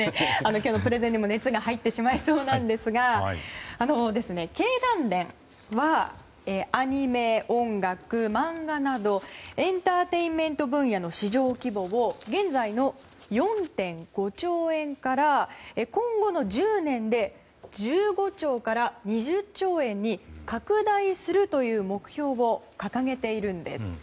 今日のプレゼンにも熱が入ってしまいそうですが経団連はアニメ、音楽、漫画などエンターテインメント分野の市場規模を現在の４．５兆円から今後の１０年で１５兆から２０兆円に拡大するという目標を掲げているんです。